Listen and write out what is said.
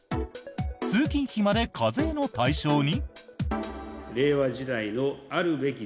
通勤費まで課税の対象に？